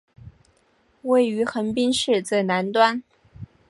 位于横滨市最南端。